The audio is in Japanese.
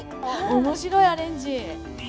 面白いアレンジ。